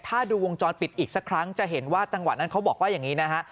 ถ้าดูวงจรปิดอีกสักครั้งจะเห็นว่าจังหวะนั้นเขาบอกว่าอย่างนี้นะฮะ